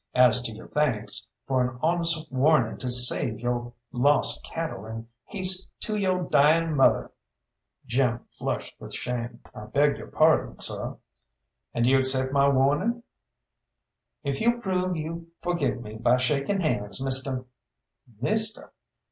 As to your thanks for an honest warning to save yo' lost cattle and haste to yo' dying mother " Jim flushed with shame. "I beg your pardon, sir." "And you accept my warning?" "If you'll prove you forgive me by shaking hands, Mr. " "Misteh?